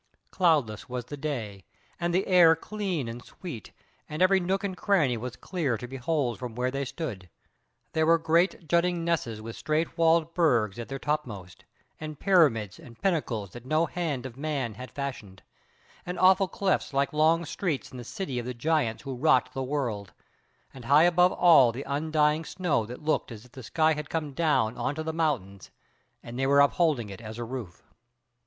Cloudless was the day, and the air clean and sweet, and every nook and cranny was clear to behold from where they stood: there were great jutting nesses with straight walled burgs at their top most, and pyramids and pinnacles that no hand of man had fashioned, and awful clefts like long streets in the city of the giants who wrought the world, and high above all the undying snow that looked as if the sky had come down on to the mountains and they were upholding it as a roof.